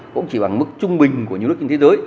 cũng chỉ bằng mức trung bình của nhiều nước trên thế giới